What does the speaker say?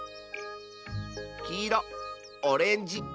きいろオレンジ